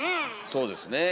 そうですね。